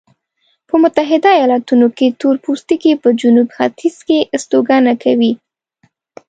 په متحده ایلاتونو کې تورپوستکي په جنوب ختیځ کې استوګنه کوي.